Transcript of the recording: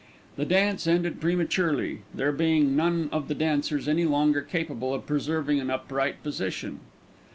The dance ended prematurely, there being none of the dancers any longer capable of preserving an upright position.